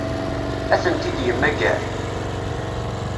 Ad tent-id-yemmager?